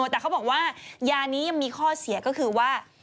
แต่เขาบอกว่ายานี้ยังมีข้อเสียก็คือว่า